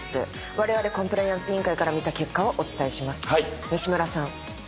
われわれコンプライアンス委員会から見た結果をお伝えします。